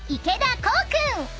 池田航君］